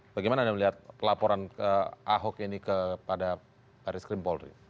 bagaimana anda melihat laporan ahok ini kepada paris krimpolri